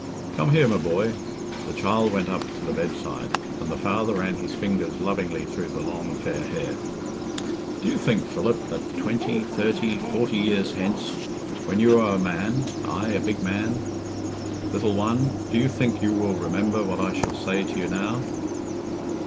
"Come here, my boy." The child went up to the bedside, and the father ran his fingers lovingly through the long fair hair. "Do you think, Philip, that twenty, thirty, forty years hence, when you are a man aye, a big man, little one do you think you will remember what I shall say to you now?"